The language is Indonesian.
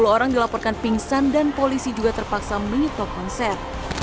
tiga puluh orang dilaporkan pingsan dan polisi juga terpaksa menyitok konser